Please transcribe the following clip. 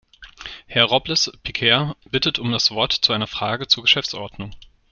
Herr Robles Piquer bittet um das Wort zu einer Frage zur Geschäftsordnung.